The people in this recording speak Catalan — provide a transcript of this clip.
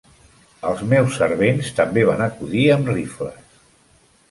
Els meus servents també van acudir amb rifles.